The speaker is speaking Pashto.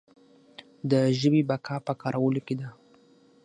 د ژبې بقا په کارولو کې ده.